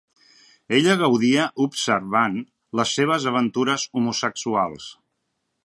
Ella gaudia observant les seves aventures homosexuals.